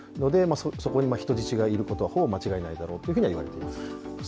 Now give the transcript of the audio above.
そこに人質がいることはほぼ間違いであろうといわれています。